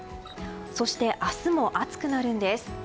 そして明日も暑くなるんです。